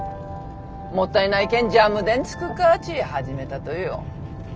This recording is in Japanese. もったいないけんジャムでん作っかっち始めたとよ。